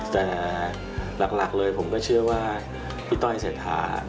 แต่หลักเลยผมก็เชื่อว่าพี่ต้อยเศรษฐา